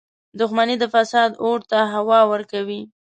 • دښمني د فساد اور ته هوا ورکوي.